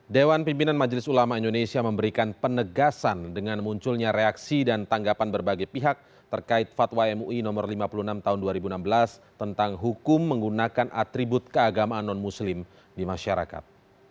dewan pimpinan majelis ulama indonesia memberikan penegasan dengan munculnya reaksi dan tanggapan berbagai pihak terkait fatwa mui no lima puluh enam tahun dua ribu enam belas tentang hukum menggunakan atribut keagamaan non muslim di masyarakat